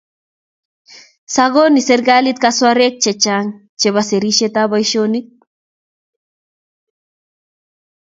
sakoni serikalit kasarwek che chang chebo serisietab boisionik